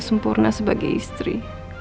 sempurna sebagai istri